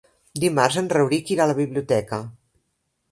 Dimarts en Rauric irà a la biblioteca.